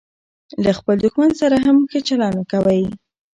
له خپل دوښمن سره هم ښه چلند کوئ!